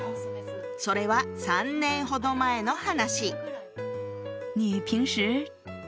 それは３年ほど前の話。